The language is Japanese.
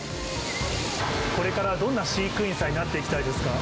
これからどんな飼育員さんになっていきたいですか。